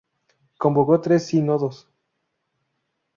Convocó tres sínodos.